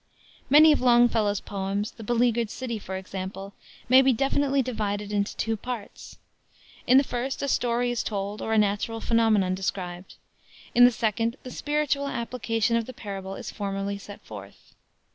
Many of Longfellow's poems the Beleaguered City, for example may be definitely divided into two parts; in the first, a story is told or a natural phenomenon described; in the second, the spiritual application of the parable is formally set forth.